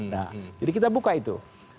nah jadi kita buka itu